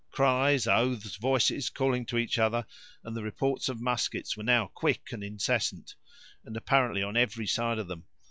Cries, oaths, voices calling to each other, and the reports of muskets, were now quick and incessant, and, apparently, on every side of them.